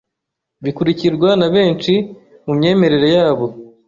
bikurikirwa na benshi mu myemerere yabo,